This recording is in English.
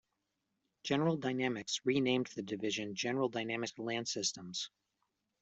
General Dynamics renamed the division "General Dynamics Land Systems".